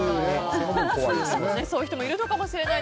そういう人もいるかもしれません。